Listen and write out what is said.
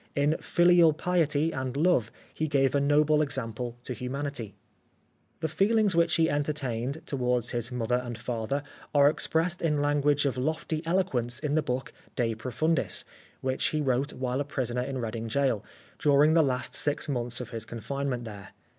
In filial piety and love he gave a noble example to humanity. The feelings which he entertained towards his mother and father are expressed in language of lofty eloquence in the book, " De Profundis," which he wrote while a prisoner in Reading Gaol, during the last six months of his confinement there.